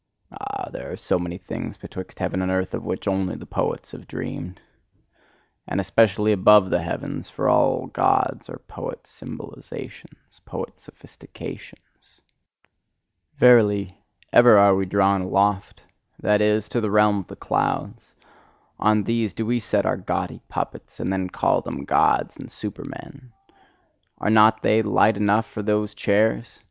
Ah, there are so many things betwixt heaven and earth of which only the poets have dreamed! And especially ABOVE the heavens: for all Gods are poet symbolisations, poet sophistications! Verily, ever are we drawn aloft that is, to the realm of the clouds: on these do we set our gaudy puppets, and then call them Gods and Supermen: Are not they light enough for those chairs!